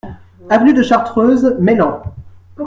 Avenue de Chartreuse, Meylan